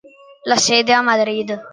La sede è a Madrid.